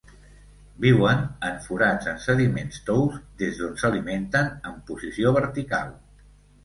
Viuen en forats en sediments tous des d'on s'alimenten en posició vertical.